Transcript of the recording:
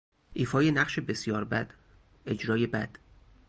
ایفای نقش بسیار بد، اجرای بد